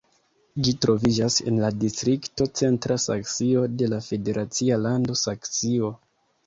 Ĝi troviĝas en la distrikto Centra Saksio de la federacia lando Saksio.